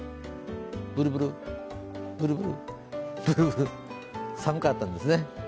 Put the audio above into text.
ブルブル、ブルブル、ブルブル寒かったんですね。